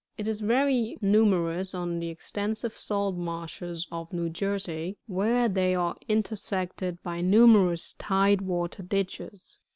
It is very numerous* on the extensive salt marshes of New Jersey, where they are intersected by numerous tide water ditches.